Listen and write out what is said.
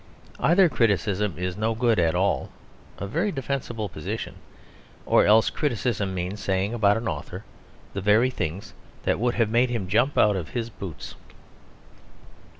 Either criticism is no good at all (a very defensible position) or else criticism means saying about an author the very things that would have made him jump out of his boots.